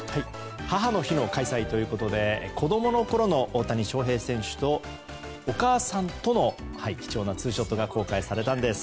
母の日の開催ということで子供のころの大谷翔平選手とお母さんとの貴重なツーショットが公開されたんです。